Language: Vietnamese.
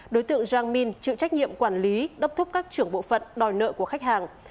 đối tượng jean minh chịu trách nhiệm quản lý đốc thúc các trưởng bộ phận đòi nợ của khách hàng